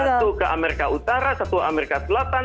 bisa satu ke amerika utara satu ke amerika selatan